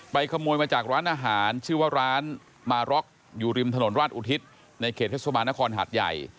ขโมยมาจากร้านอาหารชื่อว่าร้านมาร็อกอยู่ริมถนนราชอุทิศในเขตเทศบาลนครหาดใหญ่